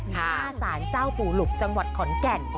หน้าสารเจ้าปู่หลุกจังหวัดขอนแก่น